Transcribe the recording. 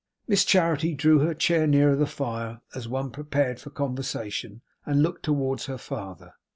Miss Charity drew her chair nearer the fire, as one prepared for conversation, and looked towards her father.